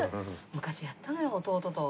昔やったのよ弟と。